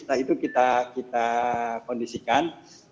nah itu kita kondisikan